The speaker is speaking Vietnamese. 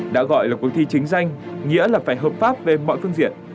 đã gọi là cuộc thi chính danh nghĩa là phải hợp pháp về mọi phương diện